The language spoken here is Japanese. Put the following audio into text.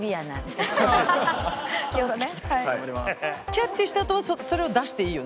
キャッチしたあとはそれを出していいよね？